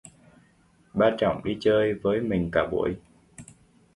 Ba Trọng đi chơi với mình cả buổi